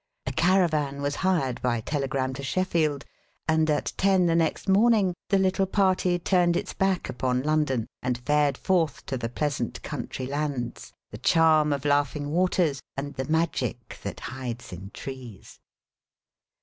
A caravan was hired by telegram to Sheffield, and at ten the next morning the little party turned its back upon London and fared forth to the pleasant country lands, the charm of laughing waters, and the magic that hides in trees.